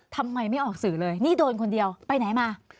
ทำไมไม่ออกสื่อเลยนี่โดนคนเดียวไปไหนมา